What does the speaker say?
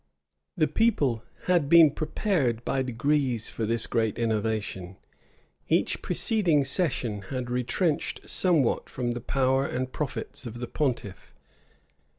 The people had been prepared by degrees for this great innovation. Each preceding session had retrenched somewhat from the power and profits of the pontiff.